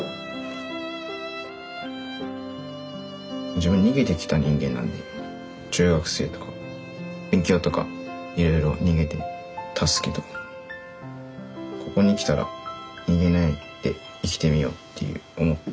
自分逃げてきた人間なんで中学生とか勉強とかいろいろ逃げてたすけどここに来たら逃げないで生きてみようって思って。